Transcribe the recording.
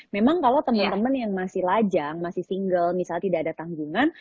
memang kalau teman teman yang masih lajang masih single misalnya tidak ada tanggungan